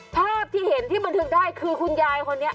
ภาพที่เห็นที่บันทึกได้คือคุณยายคนนี้